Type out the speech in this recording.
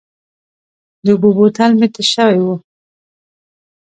د اوبو بوتل مې تش شوی و.